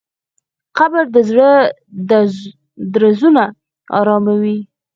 قبر د زړه درزونه اراموي.